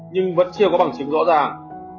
nhưng vẫn chưa có bằng chứng rõ ràng